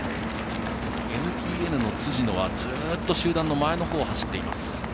ＮＴＮの辻野はずっと集団の前のほうを走っています。